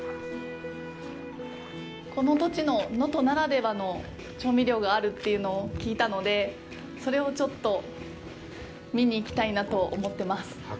この土地の、能登ならではの調味料があるというのを聞いたので、それをちょっと見に行きたいなと思ってます。